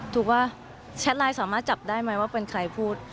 ถูกป่ะแชทไลน์สามารถจับได้ไหมว่าเป็นใครพูด